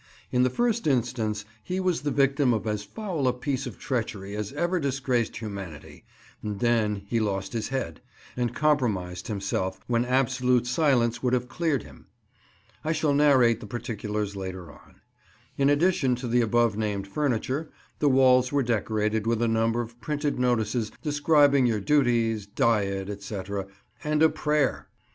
In the first instance, he was the victim of as foul a piece of treachery as ever disgraced humanity, and then he lost his head, and compromised himself when absolute silence would have cleared him. I shall narrate the particulars later on. In addition to the above named furniture, the walls were decorated with a number of printed notices describing your duties, diet, &c., and a prayer